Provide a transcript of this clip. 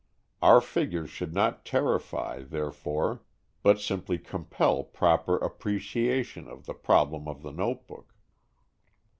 Our figures should not terrify, therefore, but simply compel proper appreciation of the problem of the notebook.